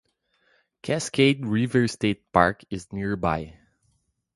Cascade River State Park is nearby.